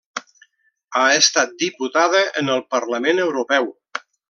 Ha estat diputada en el Parlament Europeu.